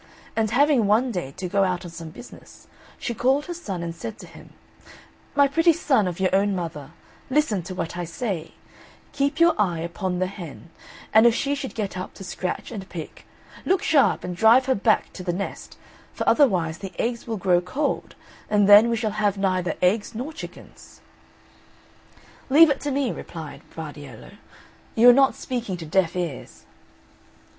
And having one day to go out on some business, she called her son, and said to him, "My pretty son of your own mother, listen to what I say: keep your eye upon the hen, and if she should get up to scratch and pick, look sharp and drive her back to the nest; for otherwise the eggs will grow cold, and then we shall have neither eggs nor chickens." "Leave it to me," replied Vardiello, "you are not speaking to deaf ears."